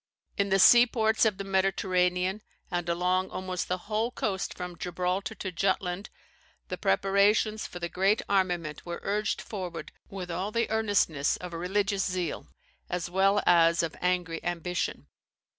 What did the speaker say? In the sea ports of the Mediterranean, and along almost the whole coast from Gibraltar to Jutland, the preparations for the great armament were urged forward with all the earnestness of religious zeal, as well as of angry ambition.